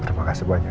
terima kasih banyak